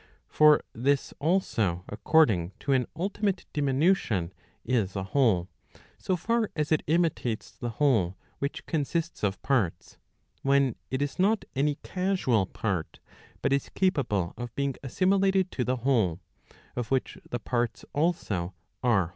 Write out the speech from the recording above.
For this also according to an ultimate diminution is a whole, so far as it imitates the whole which consists of parts, when it is not any casual part, but is capable of being assimilated to the whole, of which the parts also are wholes.